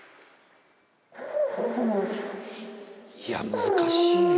いや難しいよ。